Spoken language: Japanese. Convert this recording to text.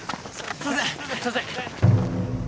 すいません。